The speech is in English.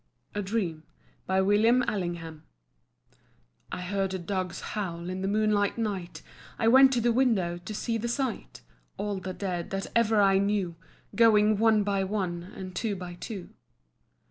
A DREAM. WILLIAM ALLINGHAM. I heard the dogs howl in the moonlight night; I went to the window to see the sight; All the Dead that ever I knew Going one by one and two by two.